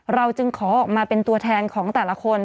เราจึงขอออกมาเป็นตัวแทนของแต่ละคน